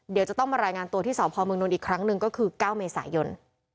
เดี๋ยวจะต้องมารายงานตัวที่สพเมืองนนท์อีกครั้งหนึ่งก็คือ๙เมษายน